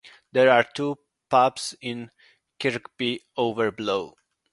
There are two pubs in Kirkby Overblow.